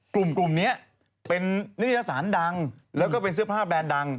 กลุ่มนี้เป็นนิตยสารดังแล้วก็เป็นเสื้อผ้าแบรนด์ดัง